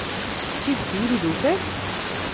D tidet d imeddukal?